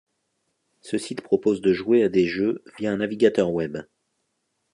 Ce site propose de jouer a des jeux via un navigateur web.